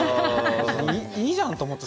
いいじゃんって思って。